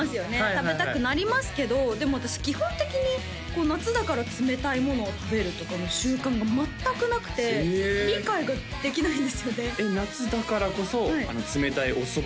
食べたくなりますけどでも私基本的にこう夏だから冷たいものを食べるとかの習慣が全くなくてへえ理解ができないんですよねえっ夏だからこそ冷たいおそば